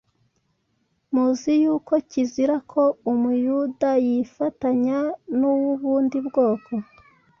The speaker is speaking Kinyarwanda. Muzi yuko kizira ko Umuyuda yifatanya n’uw’ubundi bwoko,